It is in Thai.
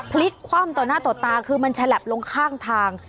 พลิกคว่ำต่อหน้าต่อตาคือมันฉลับลงข้างทาง